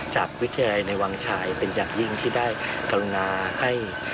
จากวิทยาลัยในวังฉายเป็นอย่างยิ่งที่ได้กรุณาให้